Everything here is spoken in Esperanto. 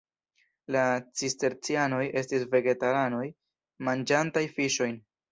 La cistercianoj estis vegetaranoj manĝantaj fiŝojn.